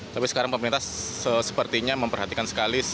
tapi sekarang pemerintah sepertinya memperhatikan sekali